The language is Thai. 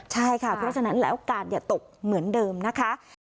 ใช่ค่ะเพราะฉะนั้นแล้วการอย่าตกเหมือนเดิมนะคะ